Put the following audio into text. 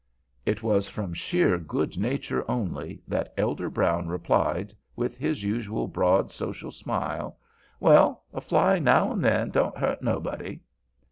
It was from sheer good nature only that Elder Brown replied, with his usual broad, social smile, "Well, a fly now an' then don't hurt nobody."